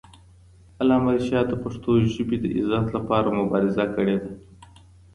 علامه رشاد د پښتو ژبې د عزت لپاره مبارزه کړې ده.